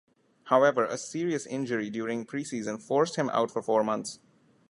However, a serious injury during pre-season forced him out for four months.